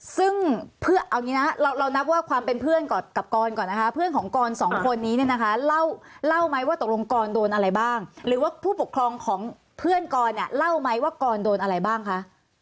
ซึ่งเพื่อเอางี้นะเรานับว่าความเป็นเพื่อนก่อนกับกรก่อนนะคะเพื่อนของกรสองคนนี้เนี่ยนะคะเล่าไหมว่าตกลงกรโดนอะไรบ้างหรือว่าผู้ปกครองของเพื่อนกรเนี่ยเล่าไหมว่ากรโดนอะไรบ้างคะ